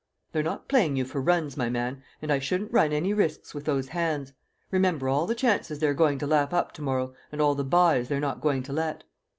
"They're not playing you for runs, my man, and I shouldn't run any risks with those hands. Remember all the chances they're going to lap up to morrow, and all the byes they've not got to let!"